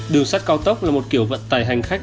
đường sắt cao tốc là một kiểu vận tải hành khách